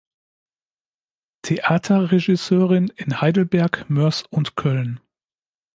Theaterregisseurin in Heidelberg, Moers und Köln.